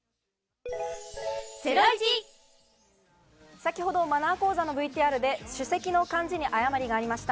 先ほどマナー講座のＶＴＲで首席の漢字に誤りがありました。